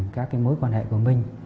các mối quan hệ của minh